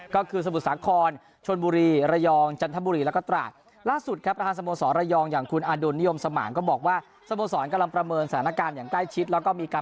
ก็คือสมุทรสาขรชนบุรีระยองจันทบุรีแล้วก็ตราก